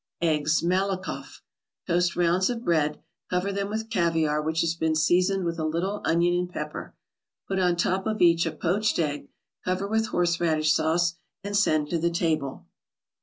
EGGS MALIKOFF Toast rounds of bread, cover them with caviar which has been seasoned with a little onion and pepper. Put on top of each a poached egg, cover with horseradish sauce, and send to the table.